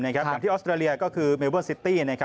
อย่างที่ออสเตรเลียก็คือเมลเวอร์ซิตี้